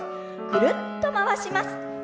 ぐるっと回します。